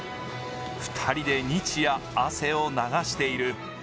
２人で日夜、汗を流している。